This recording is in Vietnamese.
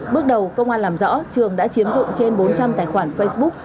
bước đầu công an làm rõ trường đã chiếm dụng trên bốn trăm linh tài khoản facebook